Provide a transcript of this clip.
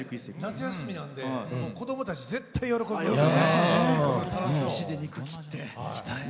夏休みなんで子どもたち絶対喜びますよ。